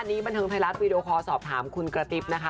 เชิงไทยรัฐวีดีโอคอสอบถามคุณกระติบนะคะ